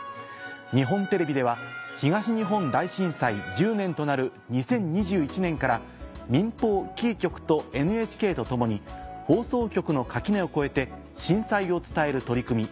日本テレビでは東日本大震災１０年となる２０２１年から民放キー局とＮＨＫと共に放送局の垣根を越えて震災を伝える取り組み